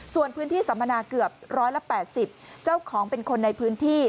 ส่วนพื้นที่สัมมนาเกือบ๑๘๐เจ้าของเป็นคนในพื้นที่